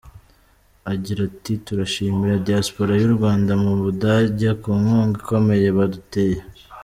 Agira ati “Turashimira Diaspora y’u Rwanda mu Budage ku nkunga ikomeye baduteye.